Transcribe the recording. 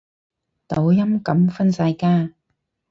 抖音噉分晒家